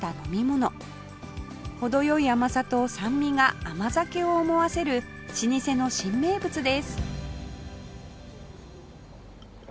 程良い甘さと酸味が甘酒を思わせる老舗の新名物です